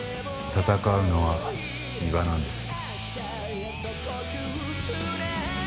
戦うのは伊庭なんです。